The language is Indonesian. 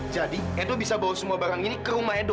jadi edo bisa bawa semua barang ini ke rumah edo